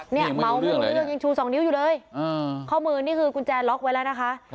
เนี่ยเมาไม่รู้เรื่องยังชูสองนิ้วอยู่เลยข้อมือนี่คือกุญแจล็อกไว้แล้วนะคะ